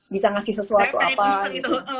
bisa ngasih sesuatu apa